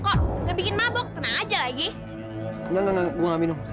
lo semua udah hiangin gue